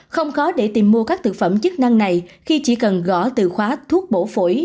không khó để tìm mua các thực phẩm chức năng này khi chỉ cần gõ từ khóa thuốc bổ phổi